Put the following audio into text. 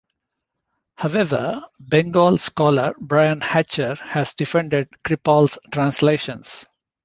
However, Bengal scholar Brian Hatcher has defended Kripal's translations.